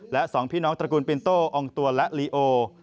และ๒พี่น้องตระกูลปินโต้อองตัวและลีโอ